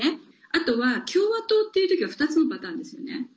あとは共和党っていうときは２つのパターンですよね。